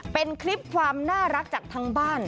เป็นคลิปความน่ารักจากทางบ้าน